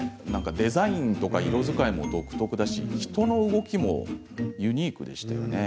デザインとか色使いも独特だし、人の動きもユニークでしたよね。